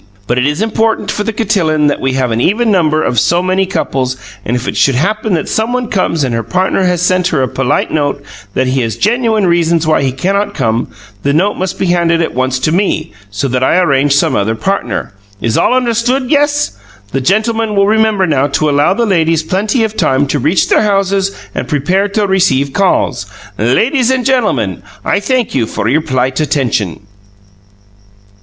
But it is important for the cotillon that we have an even number of so many couples, and if it should happen that someone comes and her partner has sent her a polite note that he has genuine reasons why he cannot come, the note must be handed at once to me, so that I arrange some other partner. Is all understood? Yes. The gentlemen will remember now to allow the ladies plenty of time to reach their houses and prepare to receive calls. Ladies and gentlemen, I thank you for your polite attention."